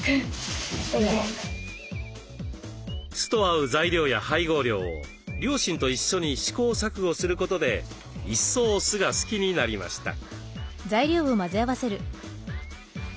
酢と合う材料や配合量を両親と一緒に試行錯誤することで一層酢が好きになりました。